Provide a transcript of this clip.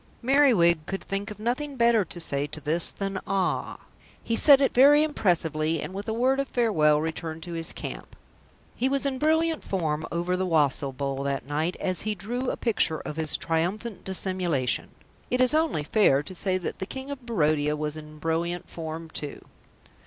Merriwig could think of nothing better to say to this than "Ah!" He said it very impressively, and with a word of farewell returned to his camp. He was in brilliant form over the wassail bowl that night as he drew a picture of his triumphant dissimulation. It is only fair to say that the King of Barodia was in brilliant form too.